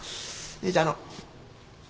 兄ちゃんあの。